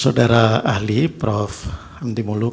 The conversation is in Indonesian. saudara ahli prof hamdi moluk